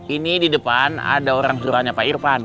ini di depan ada orang suruhannya pak irfan